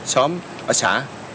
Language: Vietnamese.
xóm ở xã